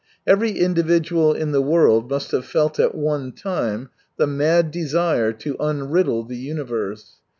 Every individual in the world must have felt at one time the mad desire to unriddle the universe.